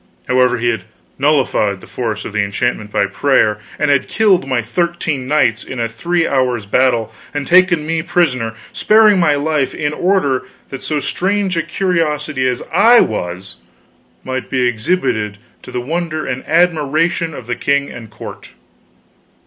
However he had nullified the force of the enchantment by prayer, and had killed my thirteen knights in a three hours' battle, and taken me prisoner, sparing my life in order that so strange a curiosity as I was might be exhibited to the wonder and admiration of the king and the court.